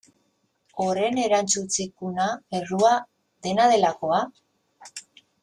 Horren erantzukizuna, errua, dena delakoa?